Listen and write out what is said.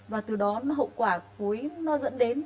và từ đó hậu quả cuối nó dẫn đến